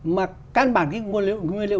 mà căn bản cái nguyên liệu